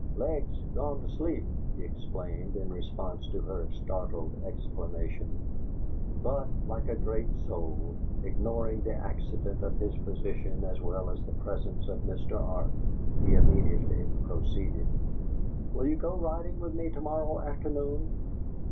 "Leg's gone to sleep," he explained, in response to her startled exclamation; but, like a great soul, ignoring the accident of his position as well as the presence of Mr. Arp, he immediately proceeded: "Will you go riding with me to morrow afternoon?"